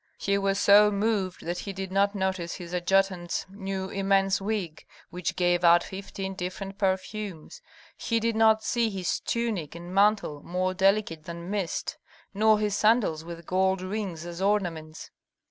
He was so moved that he did not notice his adjutant's new immense wig, which gave out fifteen different perfumes, he did not see his tunic and mantle, more delicate than mist, nor his sandals with gold rings as ornaments.